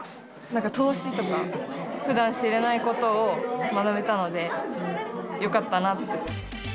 なんか投資とか、ふだん知れないことを学べたので、よかったなって。